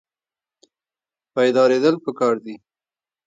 بیداریدل پکار دي